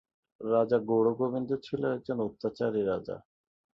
রাজা গৌড়-গোবিন্দ ছিল একজন অত্যাচারী রাজা।